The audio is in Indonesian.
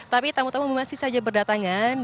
tapi tamu tamu masih saja berdatangan